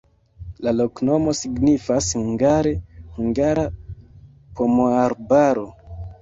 La loknomo signifas hungare: hungara-pomoarbaro.